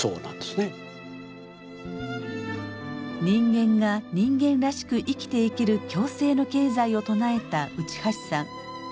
人間が人間らしく生きていける共生の経済を唱えた内橋さん。